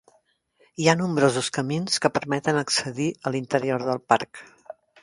Hi ha nombrosos camins que permeten accedir a l'interior del parc.